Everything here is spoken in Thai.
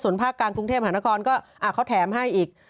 ส่วนภาคกลางกรุงเทพฯหันกรก็อ่ะเขาแถมให้อีก